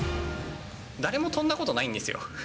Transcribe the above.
誰も跳んだことないんですよ。